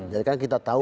jadi kan kita tahu